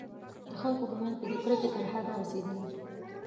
د خلکو په منځ کې د کرکې تر حده رسېدلي.